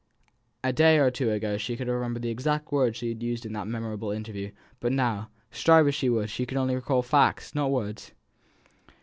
A day or two ago she could have remembered the exact words she had used in that memorable interview; but now, strive as she would, she could only recall facts, not words.